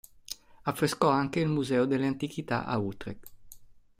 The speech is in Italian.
Affrescò anche il Museo delle Antichità a Utrecht.